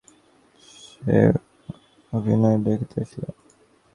বিদ্বেষে এবং কৌতূহলে পূর্ণ হইয়া সে অভিনয় দেখিতে আসিল।